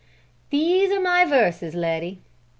"These are my verses, Letty."